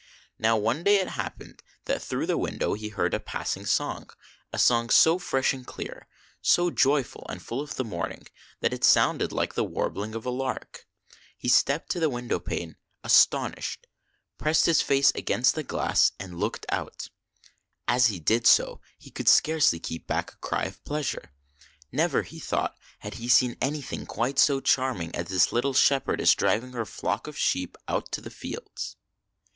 Now one day it happened that through the window he heard a passing song, a song so fresh and clear, so joyful and full of the morning, that it sounded like the warbling of a lark. He stepped to the window pane, astonished; pressed his face *« THE DEAR DEPARTED 123 against the glass, and looked out. As he did so, he could scarcely keep back a cry of pleasure. Never, he thought, had he seen anything quite so charming as this little shepherdess, driving her flock of sheep out to the fields.